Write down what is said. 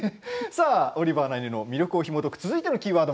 「オリバーな犬」の魅力をひもとく、続いてのキーワード